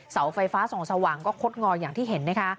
เสาไฟฟ้าส่องสว่างก็คดงออย่างที่เห็นนะคะ